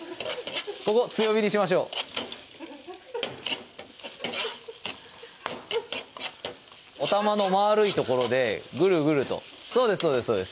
ここ強火にしましょうおたまのまるい所でグルグルとそうですそうですそうです